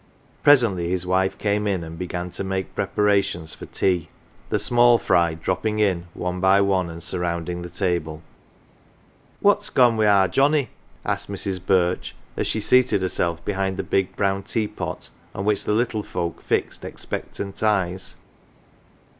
Presently his wife came in and began to make preparations for tea ; the small fry dropping in, one by one, and surrounding the table. " What's gone wi' our Johnnie ?" asked Mrs. Birch as she seated herself behind the big brown tea pot, on which the little folk fixed expectant eyes.